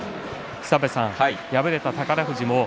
敗れた宝富士です。